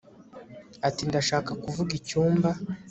ati ndashaka kuvuga icyumba